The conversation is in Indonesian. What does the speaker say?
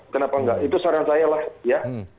kenapa enggak itu saran saya lah ya